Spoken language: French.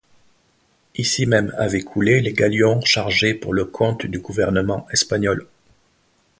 Ici même avaient coulé les galions chargés pour le compte du gouvernement espagnol.